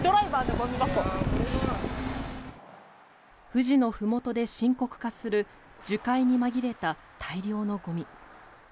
富士のふもとで深刻化する樹海に紛れた大量のゴミ。